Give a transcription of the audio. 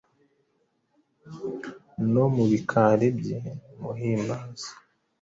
No mu bikari bye muhimbaza;